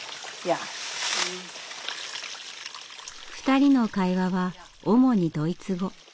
２人の会話は主にドイツ語。